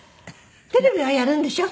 「テレビはやるんでしょ？